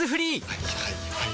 はいはいはいはい。